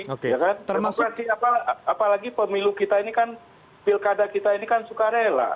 demokrasi apalagi pemilu kita ini kan pilkada kita ini kan suka rela